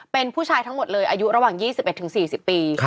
เป็นผู้ชายทั้งหมดเลยอายุระหว่าง๒๑๔๐ปี